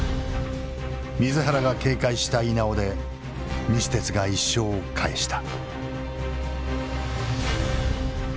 水原が警戒した稲尾で西鉄が１勝を返した。